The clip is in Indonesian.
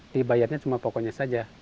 dibayarnya cuma pokoknya saja